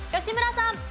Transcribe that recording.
吉村さん。